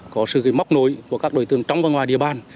có sự móc nối của các đối tượng trong và ngoài địa bàn